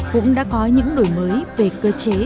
cũng đã có những đổi mới về cơ chế